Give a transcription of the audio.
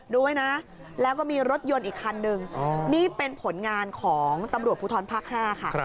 ด้วยนะแล้วก็มีรถยนต์อีกคันนึงนี่เป็นผลงานของตำรวจภูทรภาค๕ค่ะ